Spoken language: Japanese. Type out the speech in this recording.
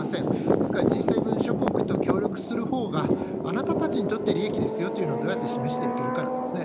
ですからＧ７諸国と協力するほうが、あなたたちにとって利益ですよというのをどうやって示していけるかなんですね。